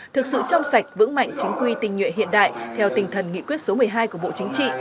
thực sự trong sạch vững mạnh chính quy tình nhuệ hiện đại theo tình thần nghị quyết số một mươi hai của bộ chính trị